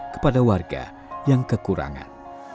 kepada warga yang kekurangan